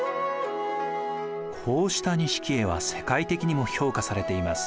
こうした錦絵は世界的にも評価されています。